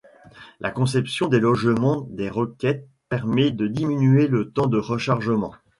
La conception des logements des roquettes permet de diminuer le temps de rechargement.